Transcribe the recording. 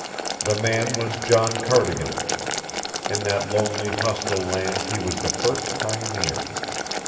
The man was John Cardigan; in that lonely, hostile land he was the first pioneer.